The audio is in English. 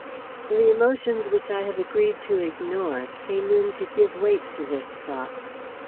The emotions which I have agreed to ignore came in to give weight to this thought.